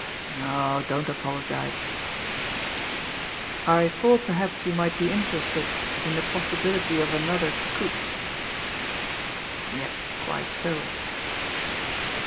... No, don't apologise.... I thought perhaps you might be interested in the possibility of another scoop.... Yes, quite so!